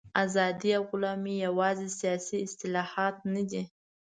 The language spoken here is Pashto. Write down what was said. ازادي او غلامي یوازې سیاسي اصطلاحات نه دي.